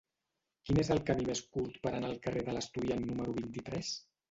Quin és el camí més curt per anar al carrer de l'Estudiant número vint-i-tres?